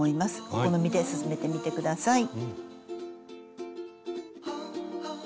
お好みで進めてみてください。